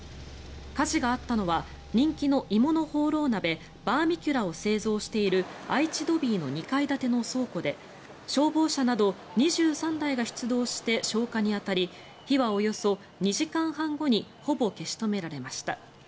火事があったのは人気の鋳物ホーロー鍋バーミキュラを製造している愛知ドビーの２階建ての倉庫で消防車など２３台が出動して消火に当たり火は、およそ２時間半後にほぼ消し止められました。